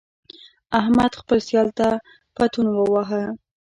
احمد خپل سیال ته پتون وواهه.